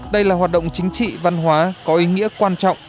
đây là hoạt động chính trị văn hóa có ý nghĩa quan trọng